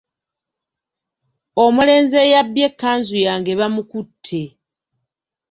Omulenzi eyabbye ekkanzu yange bamukutte.